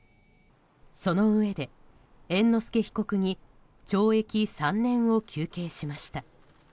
そのうえで、猿之助被告に懲役３年を求刑しました。